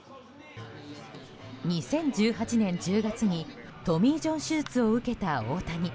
２０１８年１０月にトミー・ジョン手術を受けた大谷。